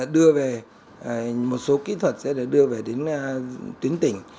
đưa về một số kỹ thuật sẽ được đưa về đến tuyến tỉnh